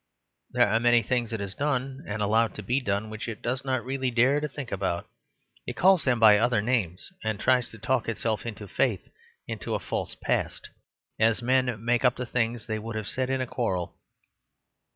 There are many things it has done and allowed to be done which it does not really dare to think about; it calls them by other names and tries to talk itself into faith in a false past, as men make up the things they would have said in a quarrel.